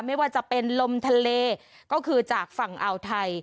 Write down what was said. ไม่ว่าจะเป็นลมทะเลก็คือจากฝั่งอ่าวไทย